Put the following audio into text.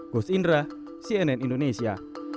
gos indra cnn indonesia